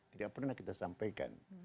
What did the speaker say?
tidak pernah kita sampaikan